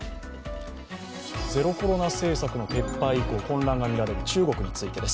ゼロコロナ政策の撤廃以降混乱が見られる中国についてです。